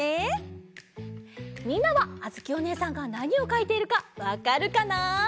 みんなはあづきおねえさんがなにをかいているかわかるかな？